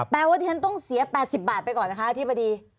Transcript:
แปลว่าทีนั้นต้องเสีย๘๐บาทไปก่อนนะคะที่ปฏิ